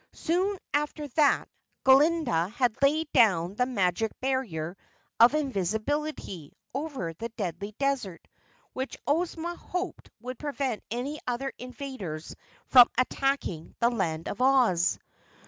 Soon after that Glinda had laid down the Magic Barrier of Invisibility over the Deadly Desert, which Ozma hoped would prevent any other invaders from attacking the Land of Oz.